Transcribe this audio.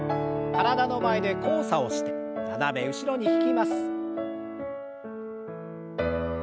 体の前で交差をして斜め後ろに引きます。